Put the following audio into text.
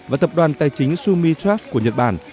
và tập đoàn tài chính sumitrash của nhật bản